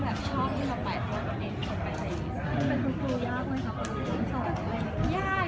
แล้วแบบเรียนเรียกเราว่าอาจารย์ปันนะ